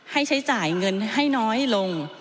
ให้ใช้จ่ายเงินให้น้อยลง